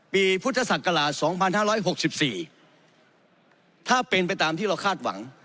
ปีพุทธศักราช๒๕๖๔ถ้าเป็นไปตามที่เราคาดหวัง